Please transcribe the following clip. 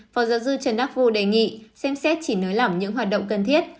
phó giáo sư trần đắc phu đề nghị xem xét chỉ nới lỏng những hoạt động cần thiết